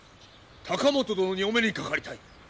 隆職殿にお目にかかりたい。